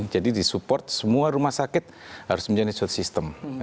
jadi di support semua rumah sakit harus menjadi suatu sistem